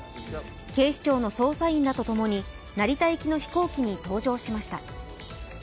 警視庁の捜査員らとともに成田行きの飛行機に搭乗しました。